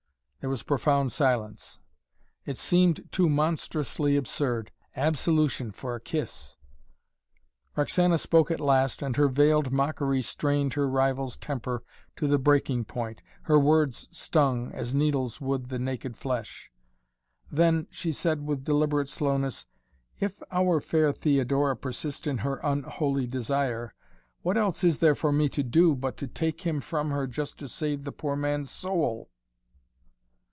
There was profound silence. It seemed too monstrously absurd. Absolution for a kiss! Roxana spoke at last, and her veiled mockery strained her rival's temper to the breaking point. Her words stung, as needles would the naked flesh. "Then," she said with deliberate slowness, "if our fair Theodora persist in her unholy desire, what else is there for me to do but to take him from her just to save the poor man's soul?"